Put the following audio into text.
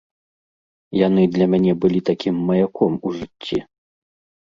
Яны для мяне былі такім маяком у жыцці.